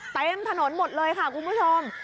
เต็มถนนหมดเลยค่ะคุณผู้ชม